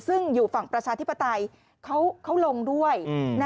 ซึ่งอยู่ฝั่งประชาธิปไตยเขาลงด้วย